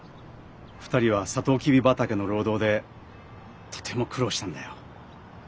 ２人はサトウキビ畑の労働でとても苦労したんだよ。